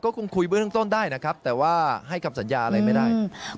คงคุยเบื้องต้นได้นะครับแต่ว่าให้คำสัญญาอะไรไม่ได้